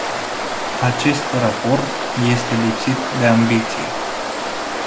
Acest raport este lipsit de ambiție.